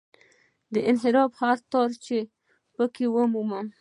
د انحراف هر تار چې په کې ومومم.